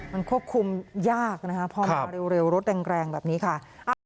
มันควบคุมยากนะคะพอมาเร็วรถแรงแบบนี้ค่ะ